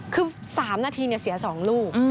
คือ๓นาทีเนี่ยเสีย๒ลูก